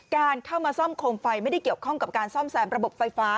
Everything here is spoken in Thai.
การเข้ามาซ่อมโคมไฟไม่ได้เกี่ยวข้องกับการซ่อมแซมระบบไฟฟ้า